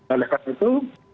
oleh kantor itu